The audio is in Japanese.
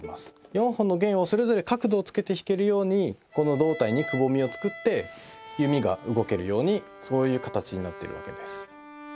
４本の弦をそれぞれ角度をつけて弾けるようにこの胴体にくぼみを作って弓が動けるようにそういう形になっているわけです。